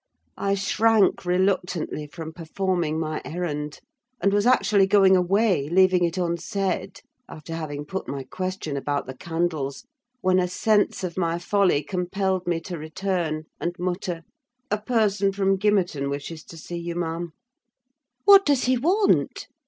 I shrank reluctantly from performing my errand; and was actually going away leaving it unsaid, after having put my question about the candles, when a sense of my folly compelled me to return, and mutter, "A person from Gimmerton wishes to see you ma'am." "What does he want?"